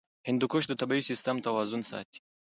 هندوکش د طبعي سیسټم توازن ساتي.